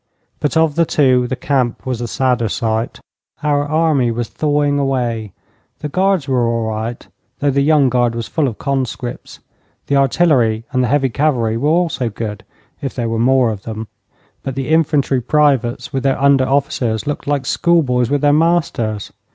But of the two the camp was the sadder sight. Our army was thawing away. The Guards were all right, though the young guard was full of conscripts. The artillery and the heavy cavalry were also good if there were more of them, but the infantry privates with their under officers looked like schoolboys with their masters.